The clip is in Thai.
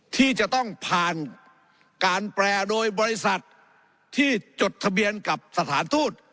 ที่จะต้องผ่านการแปรโดยบริษัทที่จดทะเบียนกับสถานทูต